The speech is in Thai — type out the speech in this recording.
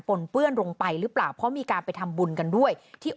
นเปื้อนลงไปหรือเปล่าเพราะมีการไปทำบุญกันด้วยที่